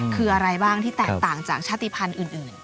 คืออะไรบ้างที่แตกต่างจากชาติภัณฑ์อื่น